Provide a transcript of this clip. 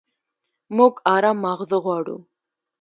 موږ ارام ماغزه غواړو.